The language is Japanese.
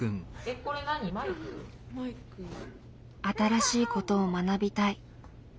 「新しいことを学びたい」